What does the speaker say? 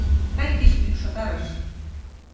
Кай кеч мӱкшотарыш!